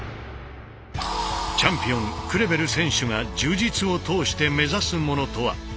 チャンピオンクレベル選手が柔術を通して目指すものとは。